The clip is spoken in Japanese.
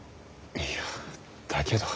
いやだけど。